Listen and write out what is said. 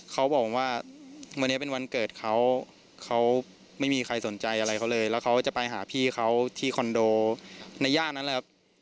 เขาบอกว่าวันนี้เป็นวันเกิดเขาเขาไม่มีใครสนใจอะไรเขาเลยแล้วเขาจะไปหาพี่เขาที่คอนโดในย่านนั้นแหละครับ